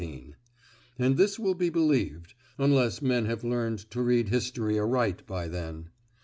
And this will be believed, unless men have learnt to read history aright by then.